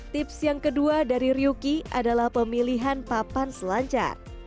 tips yang kedua dari ryuki adalah pemilihan papan selancar